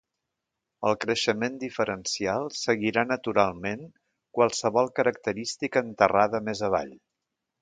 El creixement diferencial seguirà naturalment qualsevol característica enterrada més avall.